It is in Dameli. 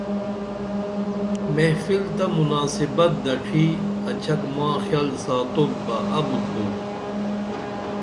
محفل تہ مناسبت دڇھی اچھک ما خِیل ساتوپ بہ ابُت بو